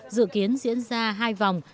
dự kiến diễn ra hai vòng